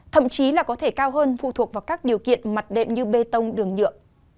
thậm chí là có thể cao hơn phụ thuộc vào các điều kiện mặt đệm như bê tông đường nhựa